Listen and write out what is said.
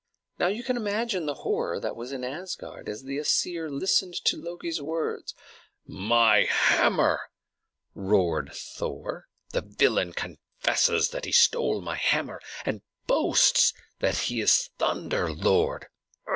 Now you can imagine the horror that was in Asgard as the Æsir listened to Loki's words. "My hammer!" roared Thor. "The villain confesses that he has stolen my hammer, and boasts that he is Thunder Lord!